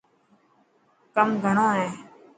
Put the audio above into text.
ڪم گھڻو هي.